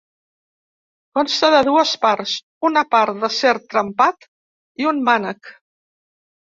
Consta de dues parts: una part d'acer trempat i un mànec.